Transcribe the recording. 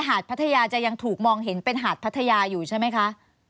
หาดพัทยาจะยังถูกมองเห็นเป็นหาดพัทยาอยู่ใช่ไหมคะ